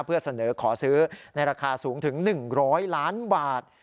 เพื่อเสนอขอซื้อในราคาสูงถึง๑๐๐ล้านบาท